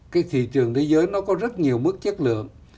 cái thị trường thế giới nó có rất nhiều mức chất lượng